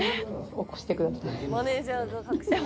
起こしてください。